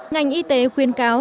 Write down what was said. ngành y tế khuyên cáo